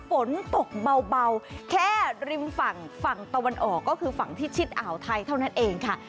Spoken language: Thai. ฝนตกเบาแค่ริมฝั่งฝั่งตะวันออกก็คือฝั่งพิชิดอ่าวไทยเท่านั้นเองค่ะ